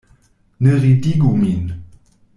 Ne ridigu min!